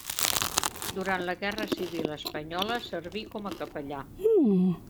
Durant la Guerra Civil espanyola, serví com a capellà.